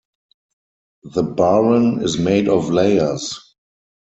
The baren is made of layers.